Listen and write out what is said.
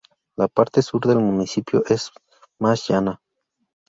La parte Sur del municipio es más llana.